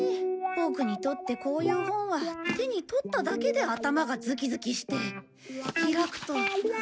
ボクにとってこういう本は手に取っただけで頭がズキズキして開くとうう。